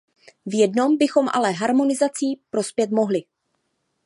V jednom bychom ale harmonizací prospět mohli.